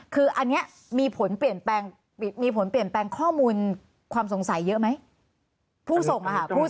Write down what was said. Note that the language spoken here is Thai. คืออันนี้มีผลเปลี่ยนแปลงข้อมูลความสงสัยเยอะไหม